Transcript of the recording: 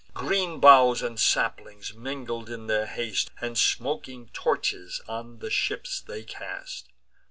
Green boughs and saplings, mingled in their haste, And smoking torches, on the ships they cast.